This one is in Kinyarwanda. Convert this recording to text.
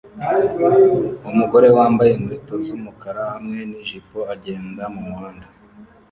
Umugore wambaye inkweto z'umukara hamwe nijipo agenda mumuhanda